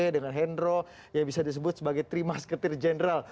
dengan henro yang bisa disebut sebagai trimasketir general